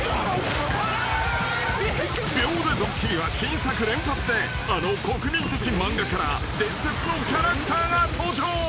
［秒でドッキリは新作連発であの国民的漫画から伝説のキャラクターが登場］